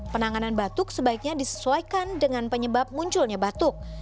penanganan batuk sebaiknya disesuaikan dengan penyebab munculnya batuk